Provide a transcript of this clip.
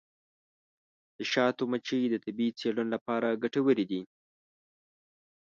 د شاتو مچۍ د طبي څیړنو لپاره ګټورې دي.